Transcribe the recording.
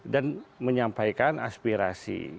dan menyampaikan aspirasi